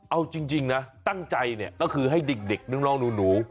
เอาจริงนะตั้งใจเนี่ยก็คือให้เด็กน้องหนู